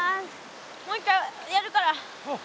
もう一回やるから。